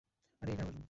আরে, এটা আমার রুম।